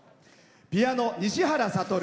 ピアノ、西原悟。